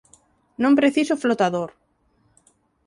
Non preciso flotador.